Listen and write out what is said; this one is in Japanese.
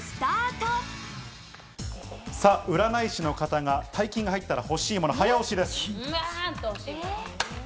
占い師の方が大金が入ったら欲しいもの、早押しです！